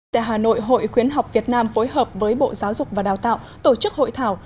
tại hà nội hội khuyến học việt nam phối hợp với bộ giáo dục và đào tạo tổ chức hội thảo